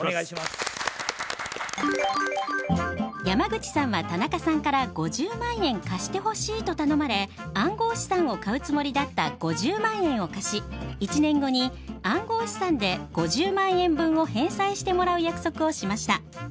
山口さんは田中さんから５０万円貸してほしいと頼まれ暗号資産を買うつもりだった５０万円を貸し１年後に暗号資産で５０万円分を返済してもらう約束をしました。